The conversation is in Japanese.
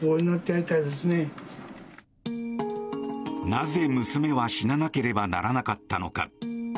なぜ娘は死ななければならなかったのか。